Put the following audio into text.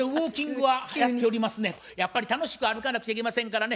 やっぱり楽しく歩かなくちゃいけませんからね